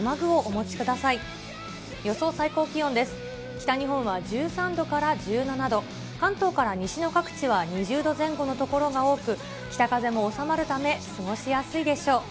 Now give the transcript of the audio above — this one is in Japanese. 北日本は１３度から１７度、関東から西の各地は２０度前後の所が多く、北風も収まるため、過ごしやすいでしょう。